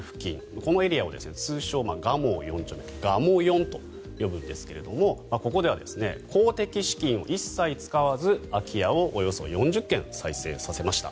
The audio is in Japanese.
このエリアを通称・蒲生四丁目がもよんと呼ぶんですがここでは公的資金を一切使わず空き家をおよそ４０軒再生させました。